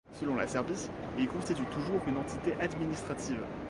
Selon la Serbie, il constitue toujours une entité administrative.